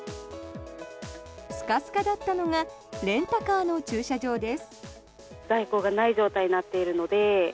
スカスカだったのがレンタカーの駐車場です。